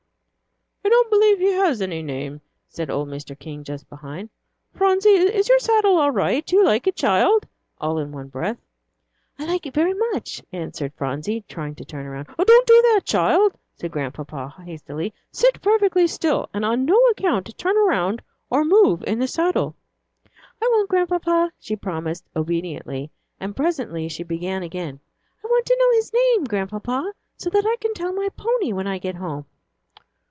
"I don't believe he has any name," said old Mr. King just behind. "Phronsie, is your saddle all right? Do you like it, child?" all in one breath. "I like it very much," answered Phronsie, trying to turn around. "Don't do that, child," said Grandpapa, hastily. "Sit perfectly still, and on no account turn around or move in the saddle." "I won't, Grandpapa," she promised, obediently, and presently she began again, "I want to know his name, Grandpapa, so that I can tell my pony when I get home."